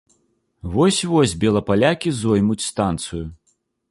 Вось-вось белапалякі зоймуць станцыю.